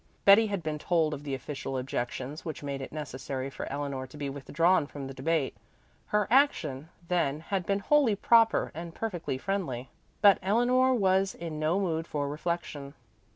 Betty had been told of the official objections which made it necessary for Eleanor to be withdrawn from the debate. Her action, then, had been wholly proper and perfectly friendly. But Eleanor was in no mood for reflection.